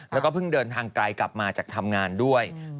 แล้วก็เพิ่งเดินทางไกลกลับมาจากทำงานด้วย